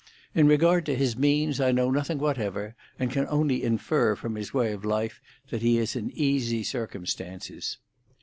In regard to his means I know nothing whatever, and can only infer from his way of life that he is in easy circumstances.